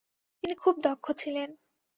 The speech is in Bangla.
তিনি খুব দক্ষ ছিলেন।